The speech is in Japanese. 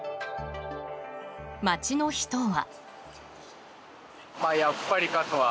街の人は。